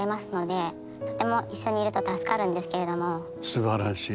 すばらしい。